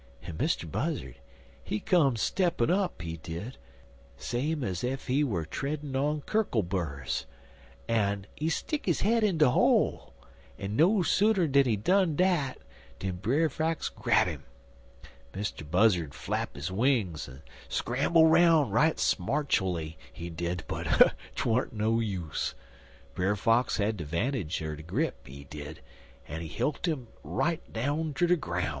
"En Mr. Buzzard, he come steppin' up, he did, same ez ef he wer treddin' on kurkle burs, en he stick his head in de hole; en no sooner did he done dat dan Brer Fox grab 'im. Mr. Buzzard flap his wings, en scramble 'roun' right smartually, he did, but 'twant no use. Brer Fox had de 'vantage er de grip, he did, en he hilt 'im right down ter de groun'.